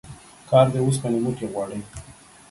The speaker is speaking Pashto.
کار د اوسپني موټي غواړي